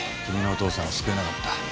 君のお父さんを救えなかった。